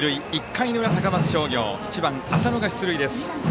１回の裏、高松商業浅野がまず出塁です。